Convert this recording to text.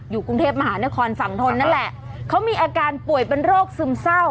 กรุงเทพมหานครฝั่งทนนั่นแหละเขามีอาการป่วยเป็นโรคซึมเศร้า